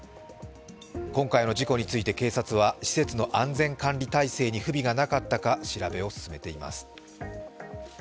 今回の事故について警察は施設の安全管理体制に不備がなかったか調べを進めています。